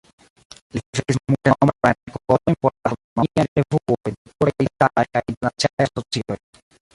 Li verkis multenombrajn artikolojn por astronomiaj revuoj de pluraj italaj kaj internaciaj asocioj.